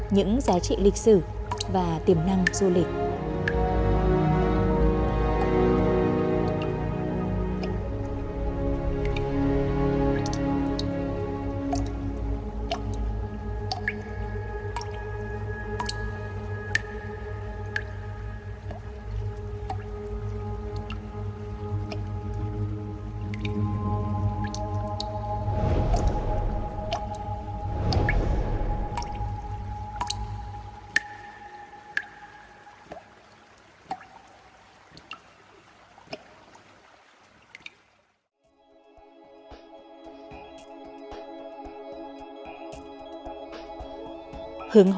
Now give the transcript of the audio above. những giá trị lịch sử và tiềm năng du lịch